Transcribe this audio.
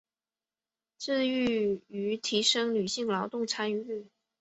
致力於提升女性劳动参与率